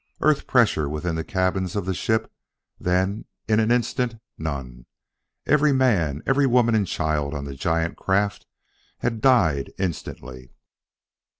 Earth pressure within the cabins of the ship; then in an instant none! Every man, every woman and child on the giant craft, had died instantly!